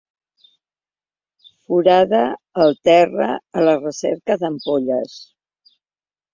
Forada el terra a la recerca d'ampolles.